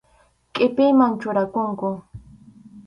Qʼipiyman churakunku.